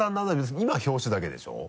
今表紙だけでしょ？